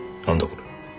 これ。